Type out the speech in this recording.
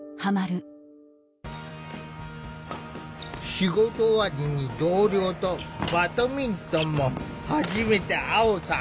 仕事終わりに同僚とバドミントンも始めたアオさん。